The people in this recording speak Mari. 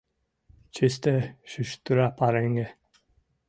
Чисте шӱштыра пареҥге.